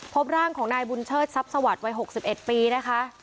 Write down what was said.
พบร่างของนายบุญเชิดทรัพย์สวัสดิ์วัยหกสิบเอ็ดปีนะคะครับ